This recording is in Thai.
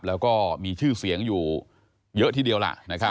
แล้วก็มีชื่อเสียงอยู่เยอะทีเดียวล่ะ